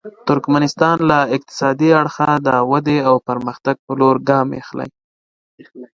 ترکمنستان له اقتصادي اړخه د ودې او پرمختګ په لور ګام اخلي.